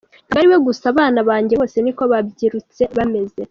Ntabwo ariwe gusa abana banjye bose niko babyirutse bameze.